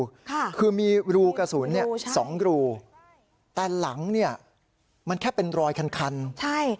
ค่ะคือมีรูกระสุนเนี้ยใช่สองรูแต่หลังเนี้ยมันแค่เป็นรอยคันคันใช่